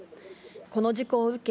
この事故を受け、